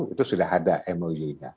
itu sudah ada mou nya